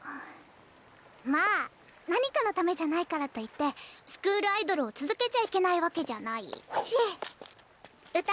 まあ何かのためじゃないからといってスクールアイドルを続けちゃいけないわけじゃないしっ！